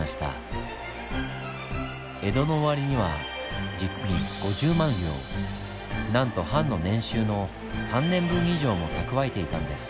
江戸の終わりには実に５０万両なんと藩の年収の３年分以上も蓄えていたんです。